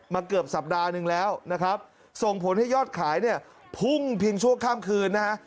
เกือบสัปดาห์หนึ่งแล้วนะครับส่งผลให้ยอดขายเนี่ยพุ่งเพียงชั่วข้ามคืนนะฮะ